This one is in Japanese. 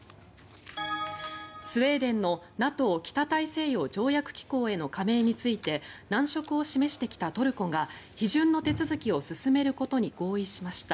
スウェーデンのＮＡＴＯ・北大西洋条約機構への加盟について難色を示してきたトルコが批准の手続きを進めることに合意しました。